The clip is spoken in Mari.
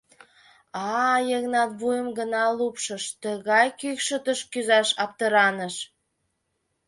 А Йыгнат вуйым гына лупшыш, тыгай кӱкшытыш кӱзаш аптыраныш.